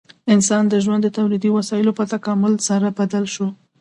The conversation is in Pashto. د انسان ژوند د تولیدي وسایلو په تکامل سره بدل شو.